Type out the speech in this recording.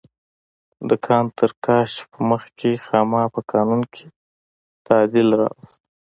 د کان تر کشف مخکې خاما په قانون کې تعدیل راوست.